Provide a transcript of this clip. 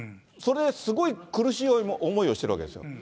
それですごい苦しい思いをしているわけですよ。